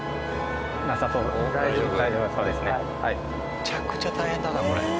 めちゃくちゃ大変だなこれ。